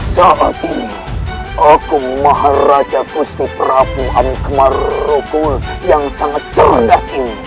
saat ini aku maharaja gusti prabu anak marukul yang sangat cerdas ini